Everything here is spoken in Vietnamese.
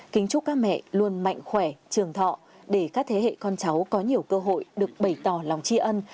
kính chúc các mẹ luôn mạnh khỏe trường thọ để các thế hệ con cháu có nhiều cơ hội được bày tỏ lòng tri ân